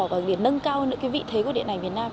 và để nâng cao những cái vị thế của điện ảnh việt nam